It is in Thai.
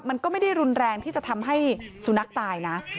มันก็ไม่ได้รุนแรงที่จะทำให้สุนัขตายนะ